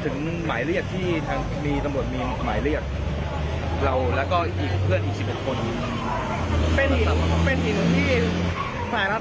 เป็นหินที่ฝ่ายรับพยายามจะโยนเข้ามาเพื่อสกัด